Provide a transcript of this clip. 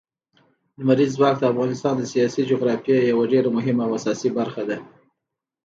لمریز ځواک د افغانستان د سیاسي جغرافیې یوه ډېره مهمه او اساسي برخه ده.